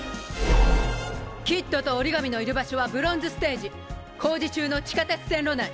キッドと折紙のいる場所はブロンズステージ工事中の地下鉄線路内。